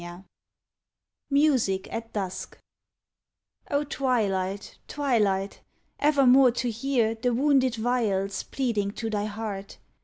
59 MUSIC AT DUSK O Twilight, Twilight I evermore to hear The wounded viols pleading to thy heart!